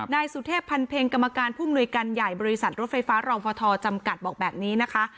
นายสุเทพพันเพ็งกรรมการผู้มนุยการใหญ่บริษัทรถไฟฟ้ารอฟทจำกัดบอกแบบนี้นะคะ